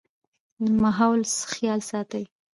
د ماحول خيال ساتئ